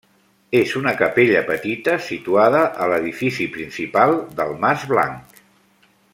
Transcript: És una capella petita, situada a l'edifici principal del Mas Blanc.